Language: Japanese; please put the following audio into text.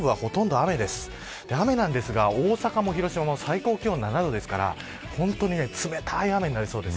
雨なんですが、大阪も広島も最高気温７度ですから本当に冷たい雨になりそうです。